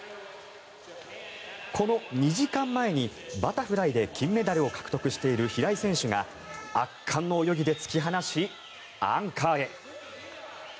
この２時間前にバタフライで金メダルを獲得している平井選手が圧巻の泳ぎで突き放しアンカーへ。